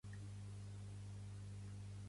Pertany al moviment independentista la Dalia?